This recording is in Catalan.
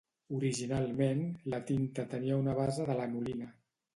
Originalment, la tinta tenia una base de lanolina.